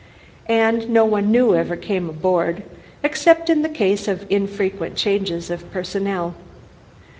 And no one new ever came aboard, except in the case of the infrequent changes of personnel.